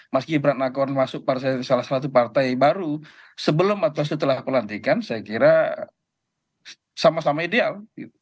mas gibran akan masuk salah satu partai baru sebelum atau setelah pelantikan saya kira sama sama ideal